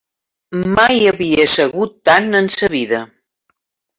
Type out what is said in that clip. Mai havia segut tant en sa vida